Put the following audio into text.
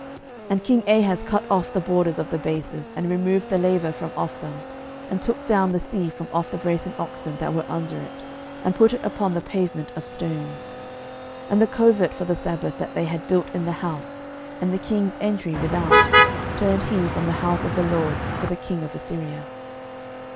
12:016:017 And king Ahaz cut off the borders of the bases, and removed the laver from off them; and took down the sea from off the brasen oxen that were under it, and put it upon the pavement of stones. 12:016:018 And the covert for the sabbath that they had built in the house, and the king's entry without, turned he from the house of the LORD for the king of Assyria.